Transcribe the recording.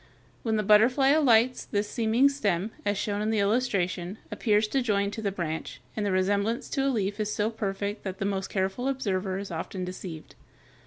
When the butterfly alights, this seeming stem, as shown in the illustration, appears to join to the branch, and the resemblance to a leaf is so perfect that the most careful observer is often deceived.